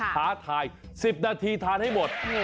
ท้าทาย๑๐นาทีทานให้หมด